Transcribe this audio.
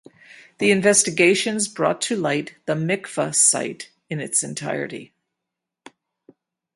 The investigations brought to light the Mikvah site in its entirety.